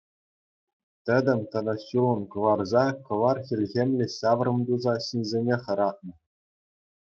Тӗтӗм тата ҫулӑм кӑларса, кӑвар хӗлхемлӗ ҫаврӑм туса ҫынсене хӑратнӑ.